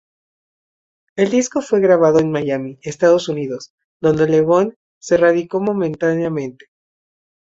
El disco fue grabado en Miami, Estados Unidos, donde Lebón se radicó momentáneamente.